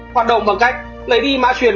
hoạt động bằng cách lấy đi mã truyền